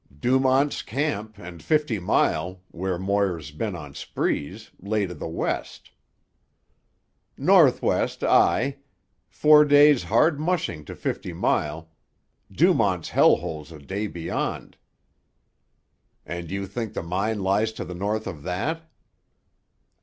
"Dumont's Camp and Fifty Mile, where Moir's been on sprees; lay to the west." "Northwest, aye. Four days' hard mushing to Fifty Mile. Dumont's hell hole's a day beyond." "And you think the mine lies to the north of that?"